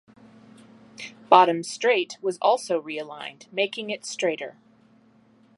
Bottom Straight was also realigned making it straighter.